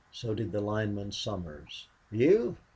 So did the lineman Somers. "You?